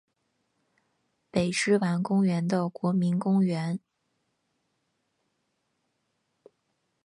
北之丸公园的国民公园。